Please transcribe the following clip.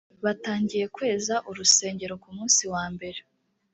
batangiye kweza urusengero ku munsi wa mbere